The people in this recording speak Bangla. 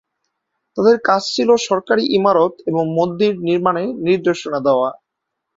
তাঁদের কাজ ছিল সরকারি ইমারত এবং মন্দির নির্মাণে নির্দেশনা দেওয়া।